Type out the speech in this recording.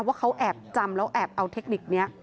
ว่าเขาแอบจำแล้วแอบเอาเทคนิคนี้